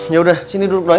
yaudah sini duduk doi